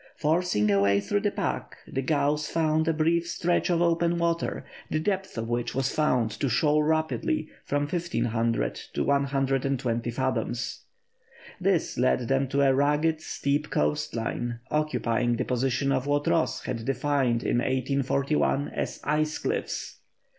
Forcing a way through the pack, the Gauss found a brief stretch of open water, the depth of which was found to shoal rapidly from 1500 to 120 fathoms. This led them to a rugged, steep coast line, occupying the position of what Ross had defined in 1841 as "ice cliffs."